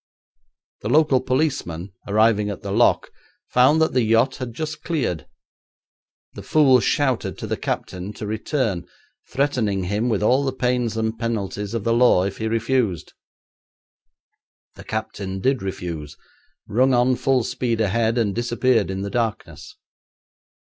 The local policeman, arriving at the lock, found that the yacht had just cleared. The fool shouted to the captain to return, threatening him with all the pains and penalties of the law if he refused. The captain did refuse, rung on full speed ahead, and disappeared in the darkness.